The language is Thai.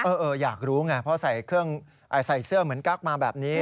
เอออยากรู้ไงเพราะว่าใส่เชื่อเหมือนกั๊กมาแบบนี้